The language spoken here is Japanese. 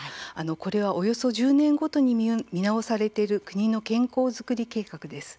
これはおよそ１０年ごとに見直されている国の健康作り計画です。